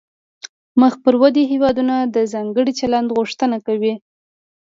مخ پر ودې هیوادونه د ځانګړي چلند غوښتنه کوي